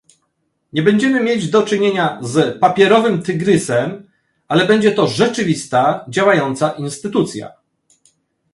Nie będziemy mieć do czynienia z "papierowym tygrysem", ale będzie to rzeczywista, działająca instytucja